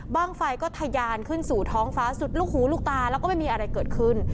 ไฟก็ทะยานขึ้นสู่ท้องฟ้าสุดลูกหูลูกตาแล้วก็ไม่มีอะไรเกิดขึ้น